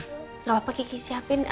tidak apa apa kiki siapin